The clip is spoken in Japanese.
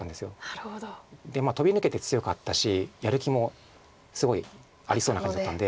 なるほど。で飛び抜けて強かったしやる気もすごいありそうな感じだったんで。